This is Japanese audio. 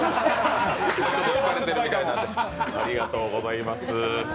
ちょっと疲れているみたいなんで、ありがとうございます。